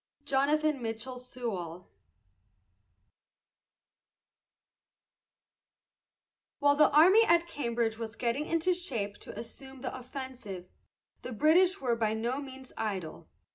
JONATHAN MITCHELL SEWALL. While the army at Cambridge was getting into shape to assume the offensive, the British were by no means idle.